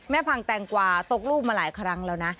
พังแตงกวาตกลูกมาหลายครั้งแล้วนะ